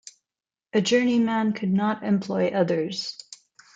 A journeyman could not employ others.